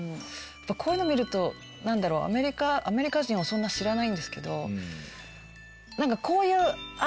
やっぱこういうの見るとなんだろうアメリカ人をそんなに知らないんですけどなんか。